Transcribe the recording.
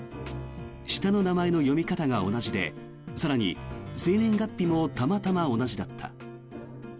下の名前の読み方が一緒で更に生年月日もたまたま同じだった。